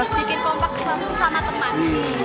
bikin kompak sama teman